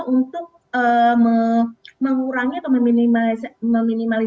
untuk mengurangi atau meminimalisasi resiko dengan perubahan harga itu